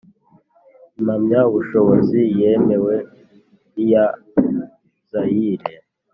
impamyabushobozi yemewe niya zayire